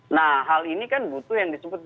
nah hal ini kan butuh yang disebut